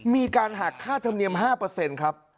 มีการหักค่าธรรมเนียม๕ครับ